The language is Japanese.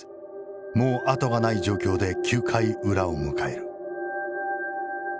もう後がない状況で９回裏を迎える。